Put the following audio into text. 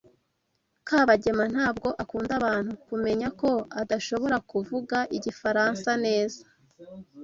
Kabagema ntabwo akunda abantu kumenya ko adashobora kuvuga igifaransa neza.